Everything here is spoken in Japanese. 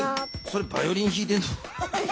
それバイオリンひいてんの？